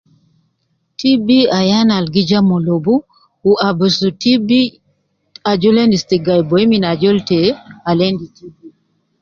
TB ayan al gi ja me lobu, wu abusu TB ajol endis te gai boyi min ajol te al endi TB